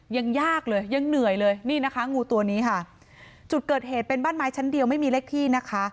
ยังยากเลยยังเหนื่อยเลยนี่นะคะงูตัวนี้ค่ะจุดเกิดเหตุเป็นบ้านไม้ชั้นเดียวไม่มีเลขที่นะคะ